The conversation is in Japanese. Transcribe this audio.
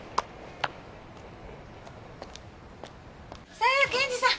さあ検事さん